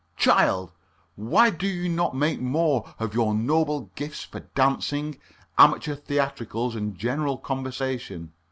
Child, why do you not make more use of your noble gifts for dancing, amateur theatricals, and general conversation?